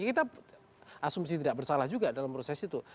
kita asumsi tidak bersalah juga dalam proses itu